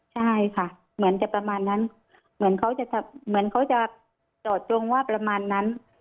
ใช่ค่ะเหมือนจะประมาณนั้นเหมือนเขาจะจอดตรงว่าประมาณนั้น